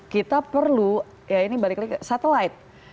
kita perlu ya ini balik lagi ke satelit